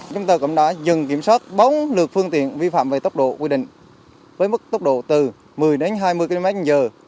chúng tôi cũng đã dừng kiểm soát bốn lượt phương tiện vi phạm về tốc độ quy định với mức tốc độ từ một mươi đến hai mươi kmh